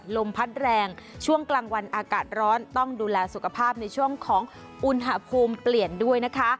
ลมพัดแรงช่วงกลางวันอากาศร้อนต้องดูแลสุขภาพในช่วงของอุณหภูมิเปลี่ยนด้วยนะคะ